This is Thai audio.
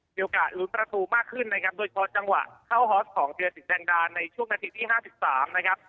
โดยโอกาสลุดประตูมากขึ้นนะครับโดยเพราะจังหวะเข้าฮอสของเดือนสินแดงดานในช่วงนาฬิกที่๕๓นะครับ